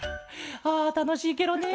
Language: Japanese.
あたのしいケロね！